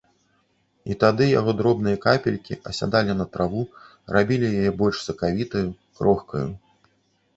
І тады яго дробныя капелькі асядалі на траву, рабілі яе больш сакавітаю, крохкаю.